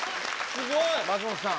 すごい松本さん